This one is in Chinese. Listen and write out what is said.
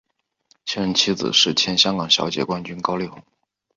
现任妻子是前香港小姐冠军高丽虹。